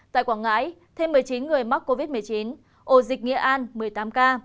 tại quảng ngãi thêm một mươi chín người mắc covid một mươi chín ổ dịch nghệ an một mươi tám ca